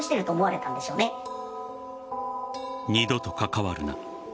二度と関わるな。